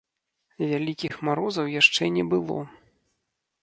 Вялікіх марозаў яшчэ не было.